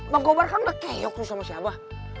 bang gobar kan udah keyok tuh sama si abah